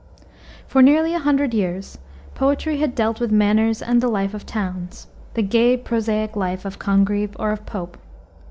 For nearly a hundred years poetry had dealt with manners and the life of towns, the gay, prosaic life of Congreve or of Pope.